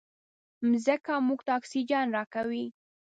مځکه موږ ته اکسیجن راکوي.